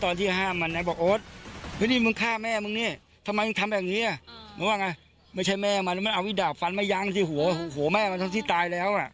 นักศึกษาธิปเชียร์เหมือนกับประสาทนั้น